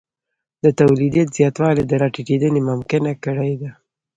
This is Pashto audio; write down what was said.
د تولیدیت زیاتوالی دا راټیټېدنه ممکنه کړې ده